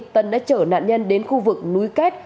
tân đã chở nạn nhân đến khu vực núi kết